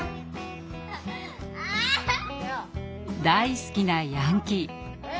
大好きなヤンキー。